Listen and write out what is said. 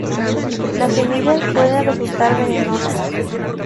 Las semillas pueden resultar venenosas.